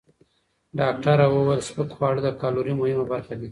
ډاکټره وویل، سپک خواړه د کالورۍ مهمه برخه دي.